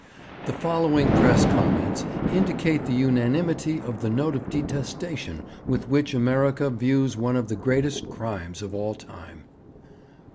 The following press comments indicate the unanimity of the note of detestation with which America views one of the greatest crimes of all time.